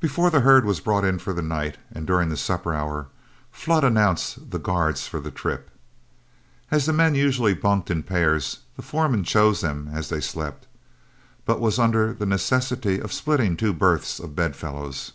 Before the herd was brought in for the night, and during the supper hour, Flood announced the guards for the trip. As the men usually bunked in pairs, the foreman chose them as they slept, but was under the necessity of splitting two berths of bedfellows.